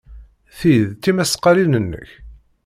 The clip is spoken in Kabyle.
Ti d tismaqqalin-nnek?